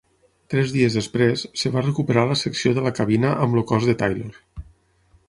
Tres dies després, es va recuperar la secció de la cabina amb el cos de Taylor.